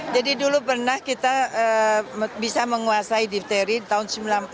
jadi dulu pernah kita bisa menguasai difteri tahun seribu sembilan ratus sembilan puluh